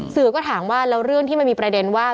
สื่อก็ถามว่าแล้วเรื่องที่มันมีประเด็นว่า